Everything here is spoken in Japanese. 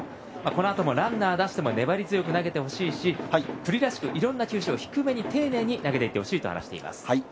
このあともランナーを出しても粘り強く出してほしいし九里らしくいろんな球種を低めに丁寧に投げてほしいと話しています。